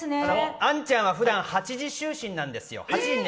杏ちゃんはふだん、８時就寝なんですよ。